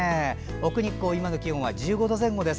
奥日光、今の気温は１５度前後です。